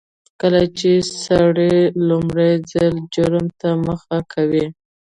کله چې سړی لومړي ځل جرم ته مخه کوي.